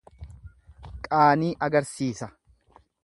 Qaanii agarsiisa.